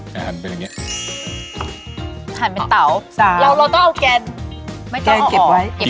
ให้หันไปอย่างนี้